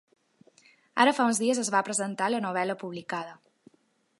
Ara fa uns dies es va presentar la novel·la publicada.